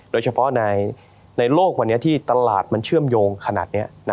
โดยเฉพาะในโลกวันนี้ที่ตลาดมันเชื่อมโยงขนาดนี้